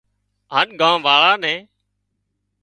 هانَ ڳام واۯان نين